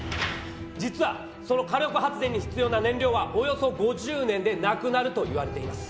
実はその火力発電に必要な燃料はおよそ５０年で無くなるといわれています。